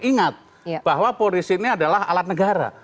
ingat bahwa polisi ini adalah alat negara